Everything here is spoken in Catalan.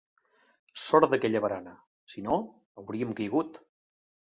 Sort d'aquella barana; si no, hauríem caigut.